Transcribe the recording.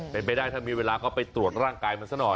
เป็นไปได้ถ้ามีเวลาก็ไปตรวจร่างกายมันซะหน่อย